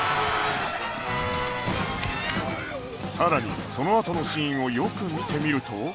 さらにそのあとのシーンをよく見てみると